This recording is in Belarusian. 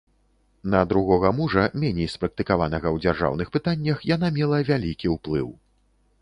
На другога мужа, меней спрактыкаванага ў дзяржаўных пытаннях, яна мела вялікі ўплыў.